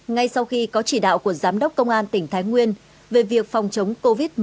ngay sau khi có chỉ đạo của giám đốc công an tỉnh thái nguyên về việc phòng chống covid một mươi chín